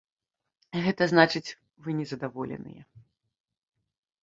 Гэта значыць, вы незадаволеныя.